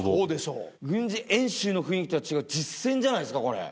軍事演習の雰囲気とは違う実戦じゃないすかこれ。